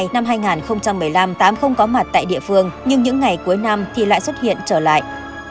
năm hai nghìn một mươi hai năm hai nghìn một mươi năm tám không có mặt tại địa phương nhưng những ngày cuối năm thì lại xuất hiện trở lại